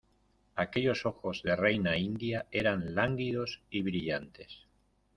aquellos ojos de reina india eran lánguidos y brillantes: